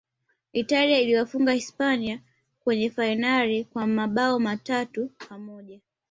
italia iliwafunga hispania kwenye fainali kwa mabao matatu kwa moja